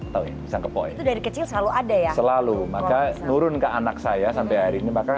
itu dari kecil selalu ada ya selalu maka turun ke anak saya sampai hari ini maka